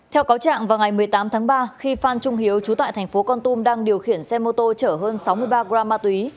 theo cáo trạng vào ngày một mươi tám tháng ba khi phan trung hiếu trú tại thành phố con tum đang điều khiển xe mô tô chở hơn sáu mươi ba gram ma túy